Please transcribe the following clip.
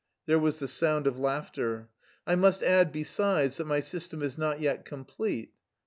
(There was the sound of laughter.) "I must add, besides, that my system is not yet complete."